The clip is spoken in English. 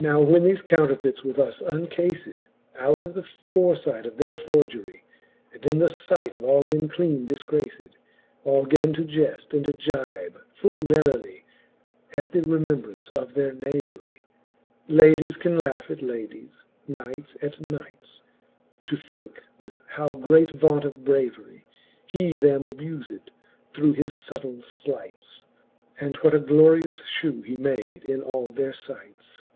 Now when thefe counterfeits were thus uncafed Out of the forefide of their forgerie, And in the fight of all men cleane difgraced, All gan to jeft and gibe full merilie At the remembrance of their knaverie. Ladies can laugh at ladies, knights at knights. To thinke with how great vaunt of braverie He them abufed, through his fubtill flights. And what a glorious fhew he made in all their fights.